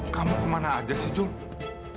kamu kemana aja sih jogja